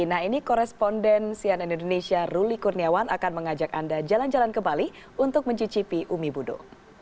nah ini korespondensian indonesia ruli kurniawan akan mengajak anda jalan jalan ke bali untuk mencicipi umibudo